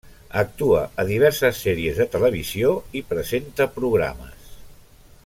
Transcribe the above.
Actua a diverses sèries de televisió i presenta programes.